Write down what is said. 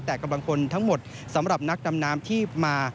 แต่กำลังพลทั้งหมดสำหรับนักดำน้ำที่มา